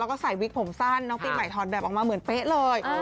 แล้วก็ใส่วิกผมสั้นน้องปีใหม่ถอดแบบออกมาเหมือนเป๊ะเลย